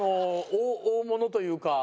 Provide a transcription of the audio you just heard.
大物というか。